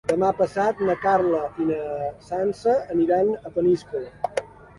Demà passat na Carla i na Sança aniran a Peníscola.